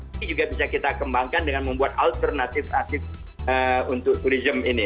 ini juga bisa kita kembangkan dengan membuat alternatif akses untuk turisme ini